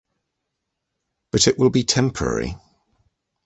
But it will be temporary.